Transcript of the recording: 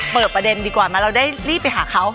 เปิดประเด็นดีกว่ามาเราได้รีบไปหาเขา